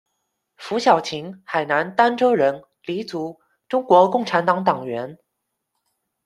符小琴，海南儋州人，黎族，中国共产党党员。